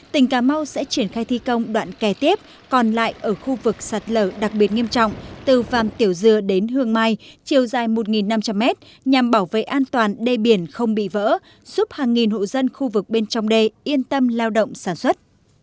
tỉnh cà mau sẽ triển khai thi công đoạn kè tiếp còn lại ở khu vực sạt lở đặc biệt nghiêm trọng từ vàm tiểu dừa đến hương mai chiều dài một năm trăm linh mét nhằm bảo vệ an toàn đê biển không bị vỡ giúp hàng nghìn hộ dân khu vực bên trong đê yên tâm lao động sản xuất